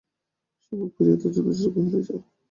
সে মুখ ফিরাইয়া তর্জনস্বরে কহিল, যাও!